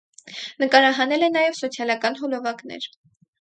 Նկարահանել է նաև սոցիալական հոլովակներ։